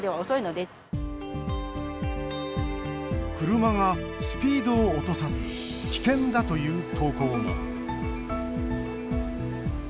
車がスピードを落とさず危険だという投稿も。